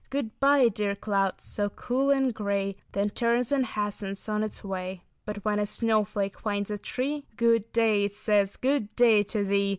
Good bye, dear clouds, so cool and gray, Then turns and hastens on its way. "But when a snowflake finds a tree Good day, it says, good day to thee.